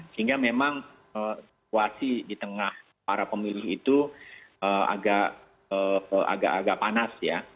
sehingga memang situasi di tengah para pemilih itu agak agak panas ya